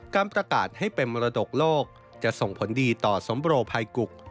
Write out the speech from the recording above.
การประกาศให้เป็นมรดกโลกจะส่งผลดีต่อสมโปรภัยกุก